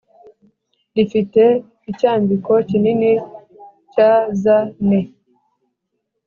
rifite icyambiko kinini cyzne